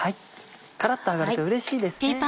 カラっと揚がるとうれしいですね。